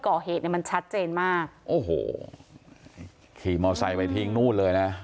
ก่อเหตุเนี่ยมันชัดเจนมากโอ้โหขี่มอไซค์ไปทิ้งนู่นเลยนะ